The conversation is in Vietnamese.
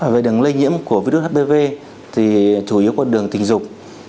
về đường lây nhiễm của virus hpv thì chủ yếu con đường tình dục